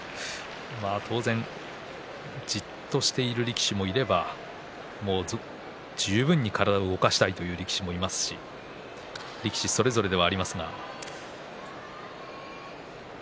当然じっとしている力士もいれば十分に体を動かしたいという力士もいますし力士それぞれではありますが。